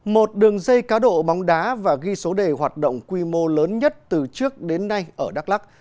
một đường dây cá độ bóng đá và ghi số đề hoạt động quy mô lớn nhất từ trước đến nay ở đắk lắc